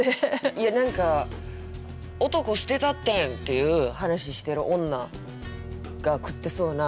いや何か「男捨てたってん！」っていう話してる女が食ってそうな嫌みな食い物